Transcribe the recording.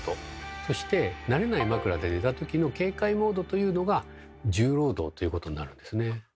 そして慣れない枕で寝た時の警戒モードというのが「重労働」ということになるんですね。